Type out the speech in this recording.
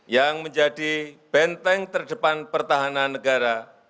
yang menjadi benteng terdepan pertahanan negara